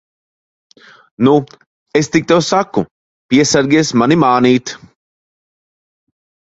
Nu, es tik tev saku, piesargies mani mānīt!